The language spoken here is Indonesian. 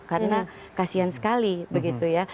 karena kasian sekali begitu ya